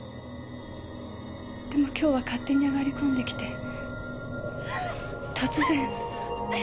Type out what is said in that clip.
でも今日は勝手に上がり込んできて突然。